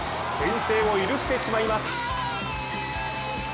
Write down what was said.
先制を許してしまいます。